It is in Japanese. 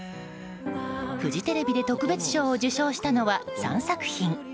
フジテレビで特別賞を受賞したのは３作品。